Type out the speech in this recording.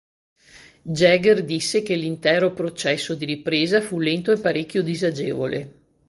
Jagger disse che l'intero processo di ripresa fu lento e parecchio disagevole.